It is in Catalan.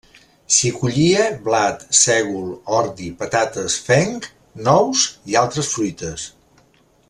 S'hi collia blat, sègol, ordi, patates, fenc, nous i altres fruites.